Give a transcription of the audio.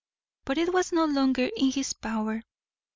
But it was no longer in his power.